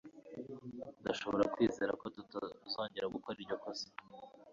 ndashobora kwizeza ko tutazongera gukora iryo kosa